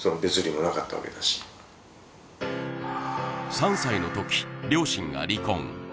３歳のとき、両親が離婚。